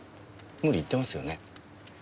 無理言ってますよね。